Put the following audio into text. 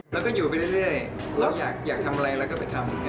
แล้วก็อยู่ไปเรื่อยเราอยากทำอะไรเราก็ไปทำ